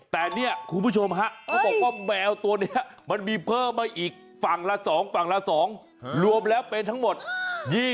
แต่เนี่ยคุณผู้ชมฮะเขาบอกว่าแมวตัวนี้มันมีเพิ่มมาอีกฝั่งละ๒ฝั่งละ๒รวมแล้วเป็นทั้งหมด